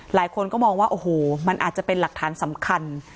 หลายคนก็มองว่าโอ้โหมันอาจจะเป็นหลักฐานสำคัญ